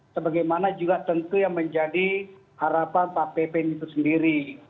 sebagaimana juga tentu yang menjadi harapan pak ppn itu sendiri